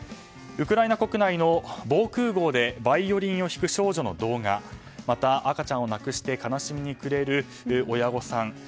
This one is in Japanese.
ウクライナ国内の防空壕でバイオリンを弾く少女の動画また赤ちゃんを亡くして悲しみに暮れる親御さん。